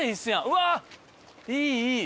うわあいいいい！